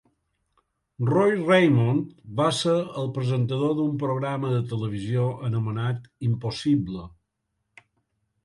Roy Raymond va ser el presentador d'un programa de televisió anomenat "Impossible..."